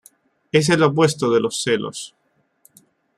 Es el opuesto de los celos.